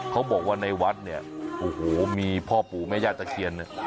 เขาบอกว่าในวัดเนี่ยโอ้โหมีพ่อปู่แม่ย่าตะเคียนเนี่ย